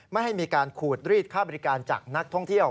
ไม่ให้มีการขูดรีดค่าบริการจากนักท่องเที่ยว